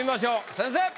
先生！